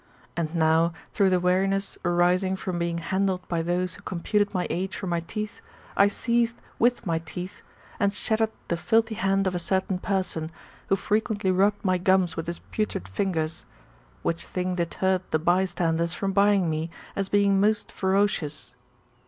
And now, through the weariness arising from being handled by those who computed my age from my teeth, I seized, with my teeth, and shattered the filthy hand of a certain person, who frequent ly rubbed .my gums with his putrid fingers ; which thing deterred the by standers from buying me, as being most ferocious.